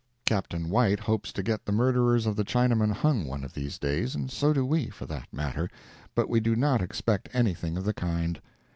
Capt. White hopes to get the murderers of the Chinaman hung one of these days, and so do we, for that matter, but we do not expect anything of the kind.